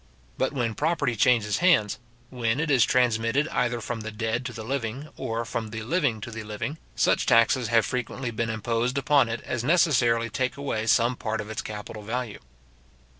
But when property changes hands, when it is transmitted either from the dead to the living, or from the living to the living, such taxes have frequently been imposed upon it as necessarily take away some part of its capital value.